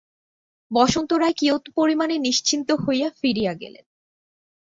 বসন্ত রায় কিয়ৎপরিমাণে নিশ্চিন্ত হইয়া ফিরিয়া গেলেন।